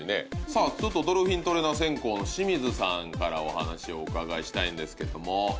さあちょっとドルフィントレーナー専攻の清水さんからお話をお伺いしたいんですけども。